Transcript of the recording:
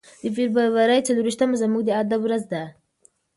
د فبرورۍ څلور ویشتمه زموږ د ادب ورځ ده.